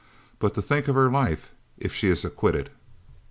But to think of her life if she is acquitted."